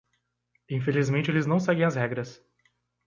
Infelizmente eles não seguem as regras.